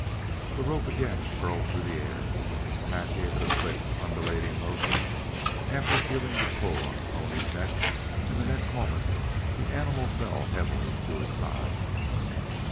The rope again curled through the air. Tad gave it a quick undulating motion after feeling the pull on the pony's neck, and the next moment the little animal fell heavily to his side.